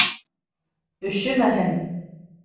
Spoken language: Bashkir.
Өшөмәһен.